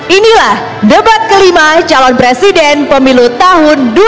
inilah debat kelima calon presiden pemilu tahun dua ribu dua puluh empat